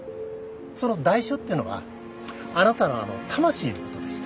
その代償ってのはあなたのあの魂のことでして。